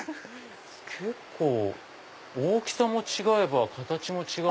結構大きさも違えば形も違う。